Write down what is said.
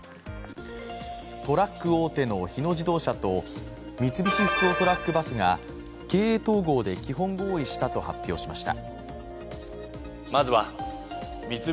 トラック大手の日野自動車と三菱ふそうトラック・バスが経営統合で基本合意したと発表しました。